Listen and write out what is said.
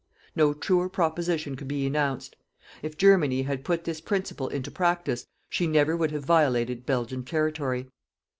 No truer proposition could be enounced. If Germany had put this principle into practice, she never would have violated Belgian territory.